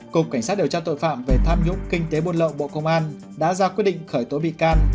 cục cảnh sát điều tra tội phạm về tham nhũng kinh tế buôn lậu bộ công an đã ra quyết định khởi tố bị can